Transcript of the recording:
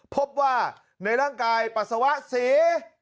พบว่าในร่างกายปัสสาวะสี